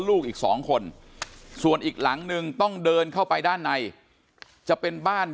ลูกอีก๒คนส่วนอีกหลังนึงต้องเดินเข้าไปด้านในจะเป็นบ้าน